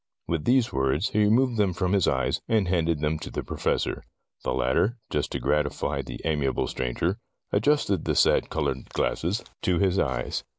With these words, he removed them from his eyes, and handed them to the Professor. The latter, just to gratify the amiable stranger, adjusted the sad colored glasses 12 Tales of Modern Germany to his eyes.